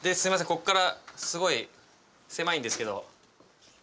ここからすごい狭いんですけど。